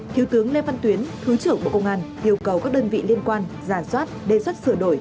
thiếu tướng lê văn tuyến thứ trưởng bộ công an yêu cầu các đơn vị liên quan giả soát đề xuất sửa đổi